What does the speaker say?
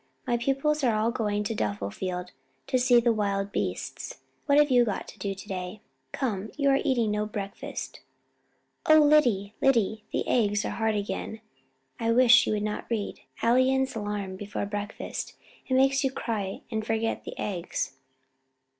My pupils are all going to Duffield to see the wild beasts. What have you got to do to day? Come, you are eating no breakfast. Oh, Lyddy, Lyddy, the eggs are hard again. I wish you would not read Alleyne's 'Alarm' before breakfast; it makes you cry and forget the eggs."